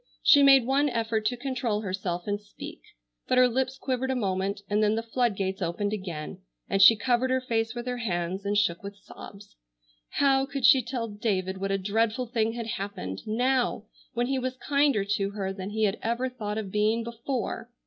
She made one effort to control herself and speak, but her lips quivered a moment, and then the flood gates opened again, and she covered her face with her hands and shook with sobs. How could she tell David what a dreadful thing had happened, now, when he was kinder to her than he had ever thought of being before!